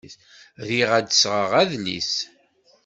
Riɣ ad sɣeɣ adlis.